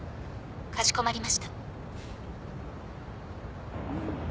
かしこまりました。